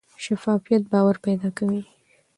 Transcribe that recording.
شفافیت باور پیدا کوي